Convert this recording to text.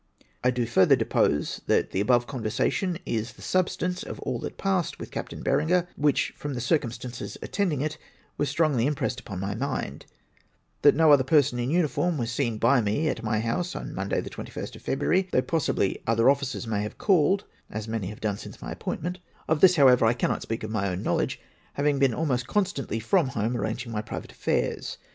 I do further depose, that the above conversation is the substance of all that passed with Captain Berenger, which, from the circumstances attending it, was strongly im pressed upon my mind ; that no other person iii uniform was seen by me at my house on jNIouday, the 21st of February, though possibly other officers may have called (as many have done since my appointment) ; of this, however, I cannot speak of my own knowledge, having been almost constantly from home, arranging my private affairs.